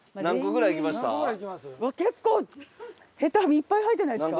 うわっ結構ヘタいっぱい入ってないですか？